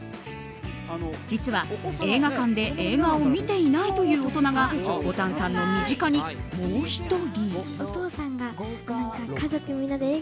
実は、映画館で映画を見ていないという大人がぼたんさんの身近にもう１人。